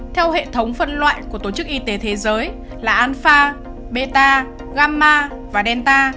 theo hệ thống phân loại của tổ chức y tế thế giới là alpha beta gamma và delta